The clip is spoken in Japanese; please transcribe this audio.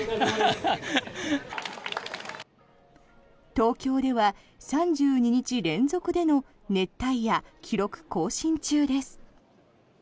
東京では３２日連続での熱帯夜記録更新中です。